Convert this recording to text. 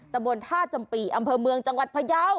ตะบนท่าจำปีอำเภอเมืองจังหวัดพยาว